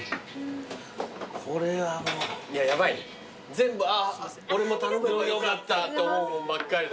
全部「あ俺も頼めばよかった」って思うもんばっかりだ。